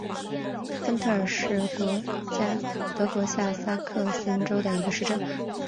芬特尔是德国下萨克森州的一个市镇。